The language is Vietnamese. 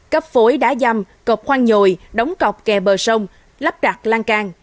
cấp phối đá dăm cọp khoan nhồi đóng cọp kè bờ sông lắp đặt lan can